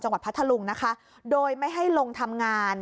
พัทธลุงนะคะโดยไม่ให้ลงทำงาน